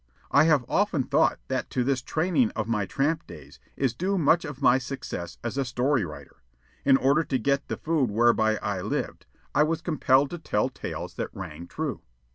I have often thought that to this training of my tramp days is due much of my success as a story writer. In order to get the food whereby I lived, I was compelled to tell tales that rang true.